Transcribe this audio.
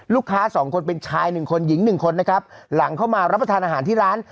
ลูกค้าสองคนเป็นชายหนึ่งคนหญิงหนึ่งคนนะครับหลังเข้ามารับประทานอาหารที่ร้าน